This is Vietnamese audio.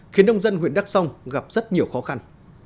khiến nông dân huyện đắc sông gặp rất nhiều khó khăn